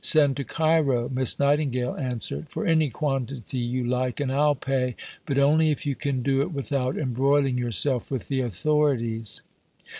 "Send to Cairo," Miss Nightingale answered, "for any quantity you like, and I'll pay, but only if you can do it without embroiling yourself with the authorities."